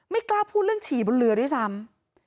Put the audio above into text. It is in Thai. กล้าพูดเรื่องฉี่บนเรือด้วยซ้ำ